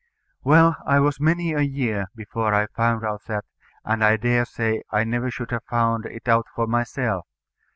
Well, I was many a year before I found out that, and I dare say I never should have found it out for myself.